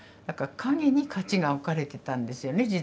だから影に価値が分かれてたんですよね。